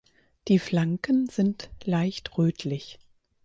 Die Flanken sind leicht rötlich.